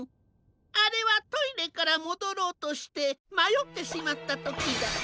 あれはトイレからもどろうとしてまよってしまったときだ。